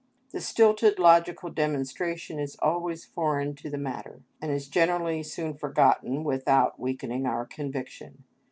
The stilted logical demonstration is always foreign to the matter, and is generally soon forgotten, without weakening our conviction.